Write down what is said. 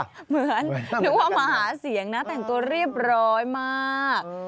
เหมือนนึกว่ามาหาเสียงนะแต่งตัวเรียบร้อยมาก